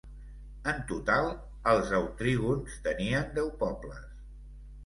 En total, els autrígons tenien deu pobles.